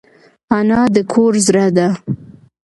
انا د کور زړه ده